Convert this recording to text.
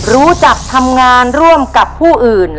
รู้จักทำงานร่วมกับผู้อื่น